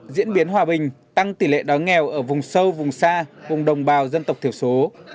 diễn biến hòa bình tăng tỷ lệ đói nghèo ở vùng sâu vùng xa vùng đồng bào dân tộc thiểu số